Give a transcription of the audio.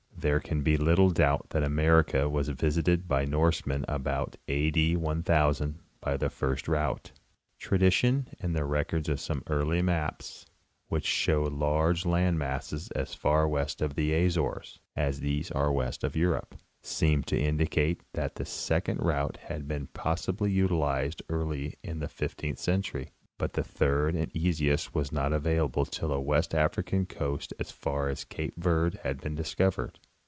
There can be little doubt that America was visited by Norsemen about A. D. 1000, by the first route. Tradition and the records of some early maps, which show some large land masses as far west of the Azores as these are west of Europe, seem to indicate that the second route had been possibly utilized early in the fifteenth century, but the third and easiest was not available till the west African coast as far as cape Verd had been dis covered.